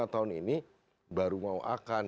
lima tahun ini baru mau akan